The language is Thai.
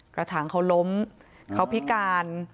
กระถางเขาล้มเขาพิการ